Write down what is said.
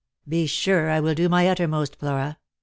" Be sure I will do my uttermost, Flora.